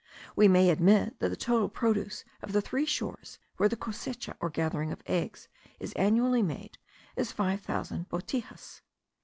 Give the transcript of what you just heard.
We may admit that the total produce of the three shores, where the cosecha, or gathering of eggs, is annually made, is five thousand botijas.